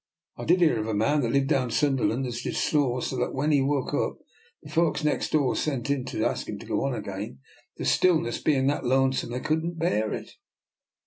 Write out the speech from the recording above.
I did hear of a man, when I lived down Sunderland, as did snore so that, when he woke up, the folks next door sent in to ask him to go on again, the stillness bein' that lonesome that they couldn't bear it."